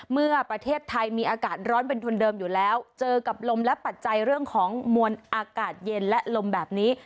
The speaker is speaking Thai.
เมื่อประเทศไทยมีอากาศร้อนเป็นทุนเดิมอยู่แล้วเจอกับลมและปัจจัยเรื่องของมวลอากาศเย็นและลมแบบนี้